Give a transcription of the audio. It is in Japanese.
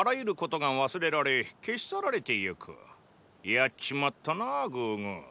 やっちまったなグーグー。